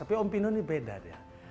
tapi om pino ini beda dia